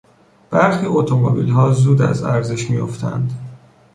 برخی اتومبیلها زود از ارزش میافتند.